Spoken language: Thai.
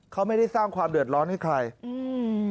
เขาไม่ได้สร้างความเดือดร้อนให้ใครอืม